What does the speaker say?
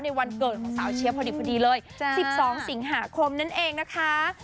วันเกิดของสาวเชียร์พอดีเลย๑๒สิงหาคมนั่นเองนะคะ